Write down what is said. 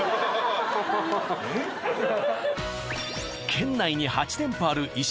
県内に８店舗あるいし